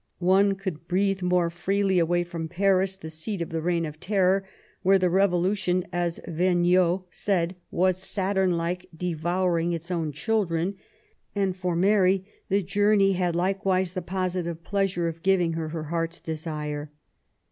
One could breathe more freely away from Paris, the seat of the Beign of Terror, where the Revolution, as Vergniaud Msaid, was, Saturn like, devouring its own children ; and for Mary the journey had likewise the positive pleasure of giving her her heart's desire.